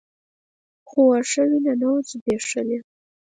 خو واښه وينه نه وه ځبېښلې.